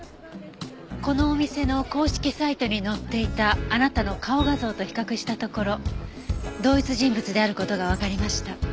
このお店の公式サイトに載っていたあなたの顔画像と比較したところ同一人物である事がわかりました。